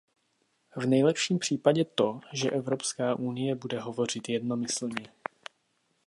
V nejlepším případě to, že Evropská unie bude hovořit jednomyslně.